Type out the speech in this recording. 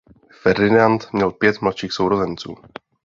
Ferdinand měl pět mladších sourozenců.